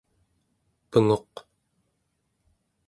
penguq